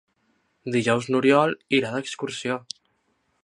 Dijous n'Oriol irà d'excursió.